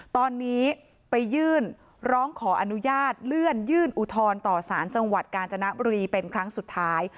ตอนนี้ไปยื่นร้องขออนุญาตเลื่อนยื่นอุทธรณ์ต่อสารจังหวัดกาญจนบุรีเป็นครั้งสุดท้าย